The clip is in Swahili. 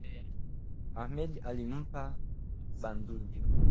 Ahmed alimpiga Badru